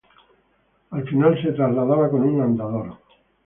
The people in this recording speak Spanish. Al final se trasladaba con un andador.